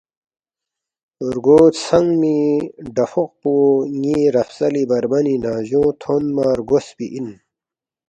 رگُو ژھنگمی ڈفوق پو ن٘ی رفسلی بربنی ننگجونگ تھونما رگوسپی اِن